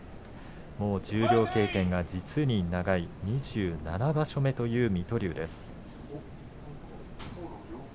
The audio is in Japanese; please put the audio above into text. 十両経験が２７場所目という水戸龍です。